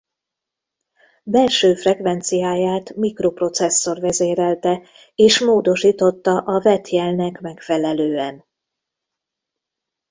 Belső frekvenciáját mikroprocesszor vezérelte és módosította a vett jelnek megfelelően.